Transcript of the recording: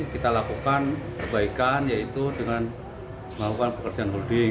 kita lakukan perbaikan yaitu dengan melakukan pekerjaan holding